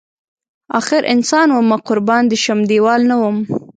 اخر انسان ومه قربان دی شم دیوال نه وم